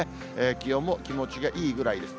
気温も気持ちがいいぐらいです。